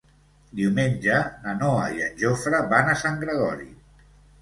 Diumenge na Noa i en Jofre van a Sant Gregori.